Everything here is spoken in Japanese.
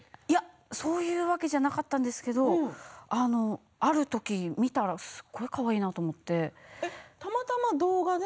そういうわけじゃなかったんですけどある時見たらすごいかわいいなと思って。